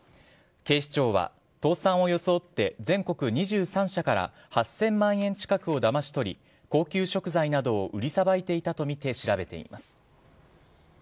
警視庁は倒産を装って全国２３社から８０００万円近くをだまし取り高級食材などを売りさばいていたとみて調べています。